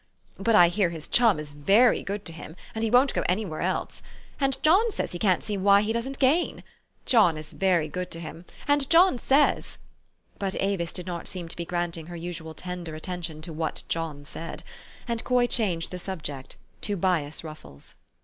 But I hear his chum is very good to him, and he won't go anywhere else. And John says he can't see why he doesn't gain. John is very good to him. And John says " But Avis did not seem to be granting her usual tender attention to what John said ; and Coy changed the subject to bias ruffles.